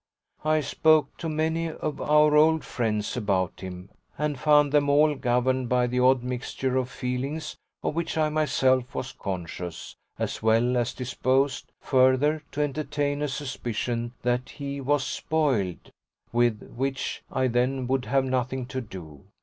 I spoke to many of our old friends about him and found them all governed by the odd mixture of feelings of which I myself was conscious as well as disposed, further, to entertain a suspicion that he was "spoiled," with which, I then would have nothing to do.